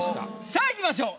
さあいきましょう。